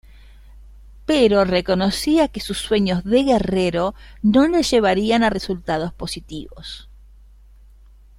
Pero reconocía que sus sueños de guerrero no le llevarían a resultados positivos.